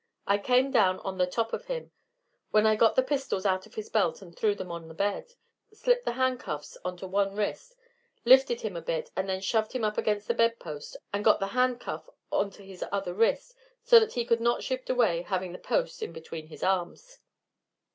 I came down on the top of him; then I got the pistols out of his belt and threw them on the bed, slipped the handcuffs onto one wrist, lifted him up a bit, and then shoved him up against the bedpost, and got the handcuff onto his other wrist, so that he could not shift away, having the post in between his arms.